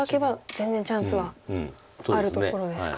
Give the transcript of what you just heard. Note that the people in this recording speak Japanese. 全然チャンスはあるところですか。